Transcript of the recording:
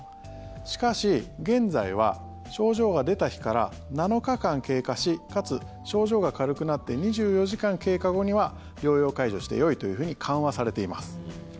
しかし、現在は症状が出た日から７日間経過しかつ、症状が軽くなって２４時間経過後には療養解除してよいというふうに緩和されています。